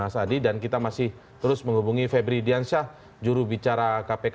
mas adi dan kita masih terus menghubungi febri diansyah juru bicara kpk